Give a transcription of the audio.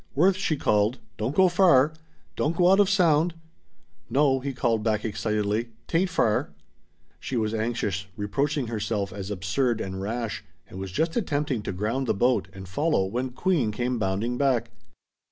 "Worth," she called, "don't go far. Don't go out of sound." "No," he called back excitedly, "'tain't far." She was anxious, reproaching herself as absurd and rash, and was just attempting to ground the boat and follow when Queen came bounding back.